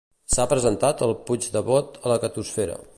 S'ha presentat el PuigdeBot a la Catosfera.